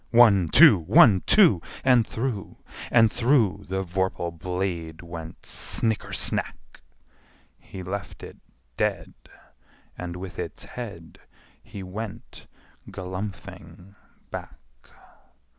One, two! One, two! And through and through The vorpal blade went snicker snack! He left it dead, and with its head He went galumphing back.